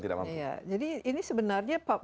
tidak punya jadi ini sebenarnya